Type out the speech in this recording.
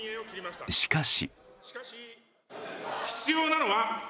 しかし。